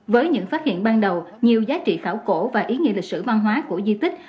với những phát hiện ban đầu nhiều giá trị khảo cổ và ý nghĩa lịch sử văn hóa của di tích